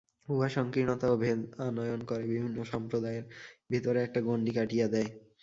উহা সঙ্কীর্ণতা ও ভেদ আনয়ন করে, বিভিন্ন সম্প্রদায়ের ভিতর একটা গণ্ডী কাটিয়া দেয়।